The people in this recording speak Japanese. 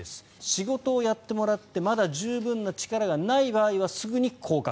仕事をやってもらってまだ十分な力がない場合はすぐに降格。